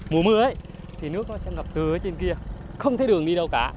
mùa mưa thì nước nó sẽ ngập từ ở trên kia không thấy đường đi đâu cả